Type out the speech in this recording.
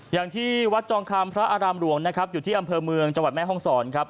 อย่างที่วัดจองคำพระอารามหลวงนะครับอยู่ที่อำเภอเมืองจังหวัดแม่ห้องศรครับ